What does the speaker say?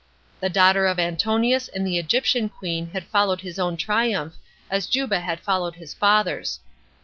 The daughter of Antonius and the Egyptian queen had followed his own triumph, as Juba had followed his lather's.